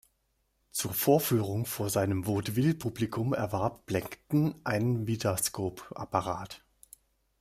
Zur Vorführung vor seinem Vaudeville-Publikum erwarb Blackton einen Vitascope-Apparat.